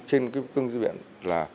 trên cái cưng dư viện là